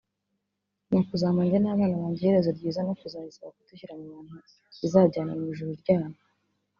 ni ukuzampa njye n’abana banjye iherezo ryiza no kuzayisaba kudushyira mu bantu izajyana mu ijuru ryayo”